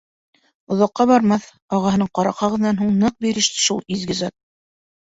Оҙаҡҡа бармаҫ, ағаһының ҡара ҡағыҙынан һуң ныҡ биреште шул изге зат.